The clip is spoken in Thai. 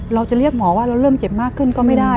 เราจะเรียกหมอว่าเราเริ่มเจ็บมากขึ้นก็ไม่ได้